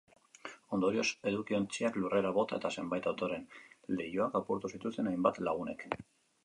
Ondorioz, edukiontziak lurrera bota eta zenbait autoren leihoak apurtu zituzten hainbat lagunek.